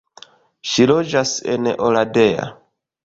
Ŝi loĝas en Oradea.